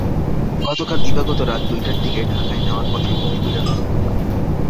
গতকাল দিবাগত রাত দুইটার দিকে ঢাকায় নেওয়ার পথে মহিদুলের মৃত্যু হয়।